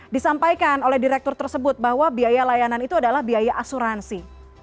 disampaikan oleh direktur tersebut bahwa biaya layanan itu adalah biaya asuransi